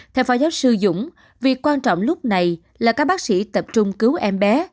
theo phó giáo sư dũng việc quan trọng lúc này là các bác sĩ tập trung cứu em bé